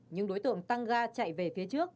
nhưng đối tượng tăng ga chạy về phía trước